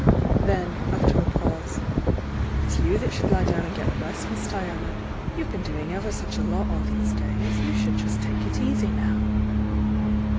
Then, after a pause, "It's you that should lie down and get a rest, Miss Diana,— you've been doing ever such a lot all these days. You should just take it easy now."